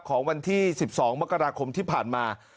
ของวันที่๑๒มกราคมที่ผ่านมา